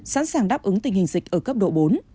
sẵn sàng đáp ứng tình hình dịch ở cấp độ bốn